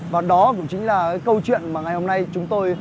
và đó cũng chính là câu chuyện mà ngày hôm nay chúng tôi